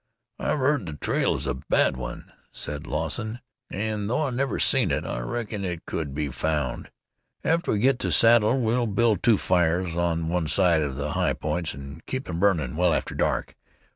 "I've heard the trail is a bad one," said Lawson, "an' though I never seen it, I reckon it could be found. After we get to the Saddle we'll build two fires on one of the high points an' keep them burnin' well after dark.